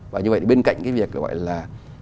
và như vậy bên cạnh việc gọi là